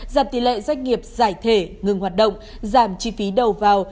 giảm tỷ lệ doanh nghiệp giải thể ngừng hoạt động giảm chi phí đầu vào